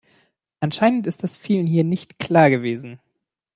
Anscheinend ist das vielen hier nicht klar gewesen.